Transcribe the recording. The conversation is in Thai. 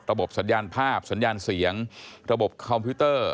บสัญญาณภาพสัญญาณเสียงระบบคอมพิวเตอร์